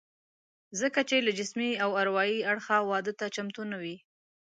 ځکه چې له جسمي او اروايي اړخه واده ته چمتو نه وي